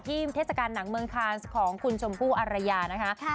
เทศกาลหนังเมืองคาน์ของคุณชมพู่อารยานะคะ